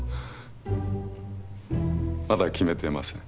まだ決めてません。